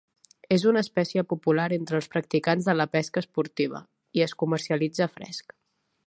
És una espècie popular entre els practicants de la pesca esportiva i es comercialitza fresc.